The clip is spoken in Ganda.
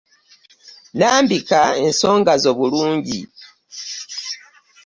Lambika ensonga zo bulungi.